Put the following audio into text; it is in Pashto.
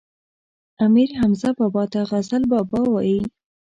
امير حمزه بابا ته غزل بابا وايي